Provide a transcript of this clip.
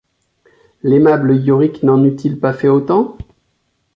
L’aimable Yorick n’en eût-il pas fait autant ?